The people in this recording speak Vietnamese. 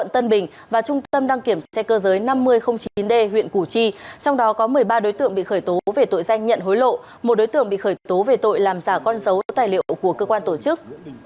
tân bình và trung tâm đăng kiểm xe cơ giới năm nghìn chín d huyện củ chi trong đó có một mươi ba đối tượng bị khởi tố về tội danh nhận hối lộ một đối tượng bị khởi tố về tội làm giả con dấu tài liệu của cơ quan tổ chức